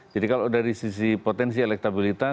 jadi kalau dari sisi potensi elektabilitas